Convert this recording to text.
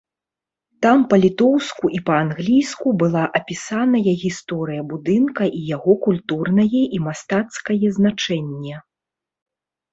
Там па-літоўску і па-англійску была апісаная гісторыя будынка і яго культурнае і мастацкае значэнне.